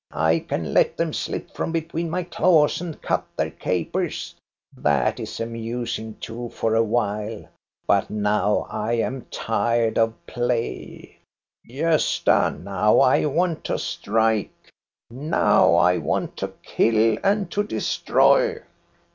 I can let them slip from between my THE FOREST COTTAGE 447 claws and cut their capers, — that is amusing too for a while ; but now I am tired of play, Gosta, now I want to strike, now I want to kill and to destroy."